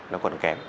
nó còn kém